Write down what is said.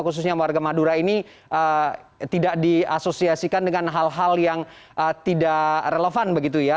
khususnya warga madura ini tidak diasosiasikan dengan hal hal yang tidak relevan begitu ya